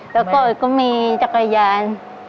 แล้วก็ก็มีจักรยาน